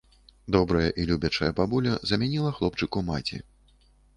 Добрая і любячая бабуля замяніла хлопчыку маці.